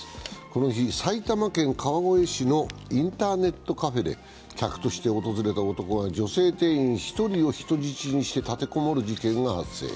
この日、埼玉県川越市のインターネットカフェで客として訪れた男が女性店員１人を人質にして立て籠もる事件が発生。